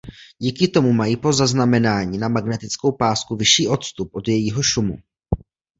Díky tomu mají po zaznamenání na magnetickou pásku vyšší odstup od jejího šumu.